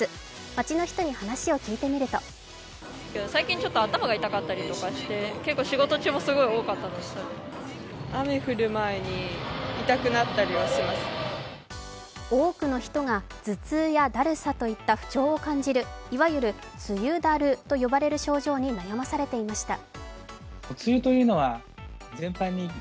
街の人に話を聞いてみると多くの人が頭痛やだるさといった不調を感じる、いわゆる梅雨だると呼ばれる症状に悩まされていました。